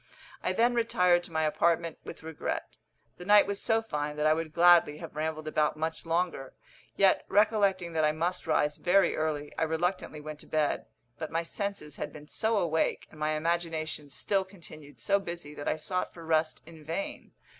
I then retired to my apartment with regret. The night was so fine that I would gladly have rambled about much longer, yet, recollecting that I must rise very early, I reluctantly went to bed; but my senses had been so awake, and my imagination still continued so busy, that I sought for rest in vain.